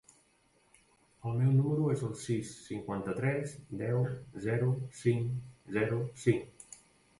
El meu número es el sis, cinquanta-tres, deu, zero, cinc, zero, cinc.